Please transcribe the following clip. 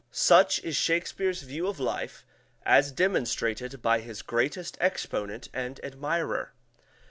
Such is Shakespeare's view of life as demonstrated by his greatest exponent and admirer.